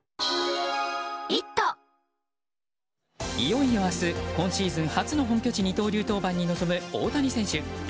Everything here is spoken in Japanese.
いよいよ、明日今シーズン初の本拠地二刀流登板に臨む大谷選手。